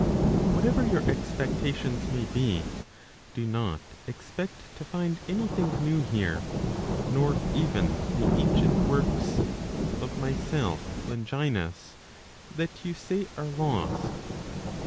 Whatever your expectations may be, do not expect to find anything new here, nor even the ancient works (of myself, Longinus?) that you say are lost.